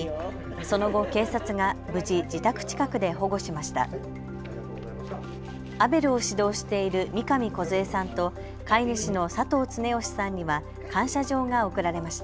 その後、警察が無事自宅近くで保護しました。